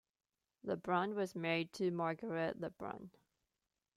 Lebrun was married to Marguerite Lebrun.